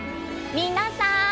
皆さん！